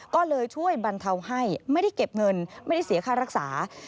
ก็เลยช่วยบรรเทาให้ไม่ได้เก็บเงินไม่ได้เสียค่ารักษา